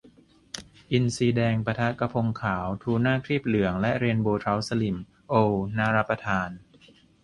อินทรีแดง ปะทะ กะพงขาว ทูน่าครีบเหลือง และ เรนโบว์เทราต์สลิ่ม โอว น่ารับประทาน